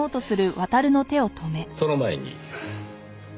その前に。